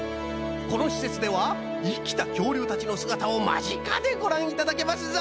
このしせつではいきたきょうりゅうたちのすがたをまぢかでごらんいただけますぞ。